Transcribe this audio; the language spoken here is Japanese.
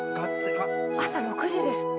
朝６時ですって。